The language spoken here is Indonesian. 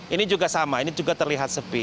ini juga sama ini juga terlihat sepi